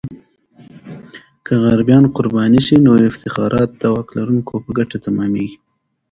که غریبان قرباني سي، نو افتخارات د واک لرونکو په ګټه تمامیږي.